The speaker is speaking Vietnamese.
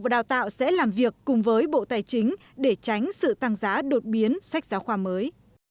và đào tạo sẽ làm việc cùng với bộ tài chính để tránh sự tăng giá đột biến sách giáo khoa mới